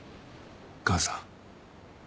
母さん。